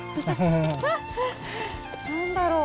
何だろう。